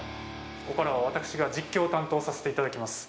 ここからは、私が実況担当させていただきます。